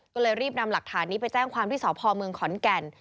ก็เลยรีบนำหลักฐานนี้ไปแจ้งความที่สพเมืองขอนแก่น